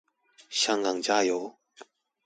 香港加油